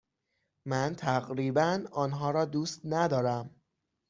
من تقریبا آنها را دوست ندارم.